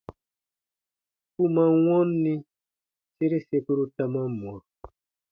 U man wɔnni, sere sekuru ta man mwa.